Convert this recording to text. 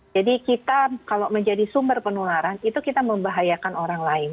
jadi kita kalau menjadi sumber penularan itu kita membahayakan orang lain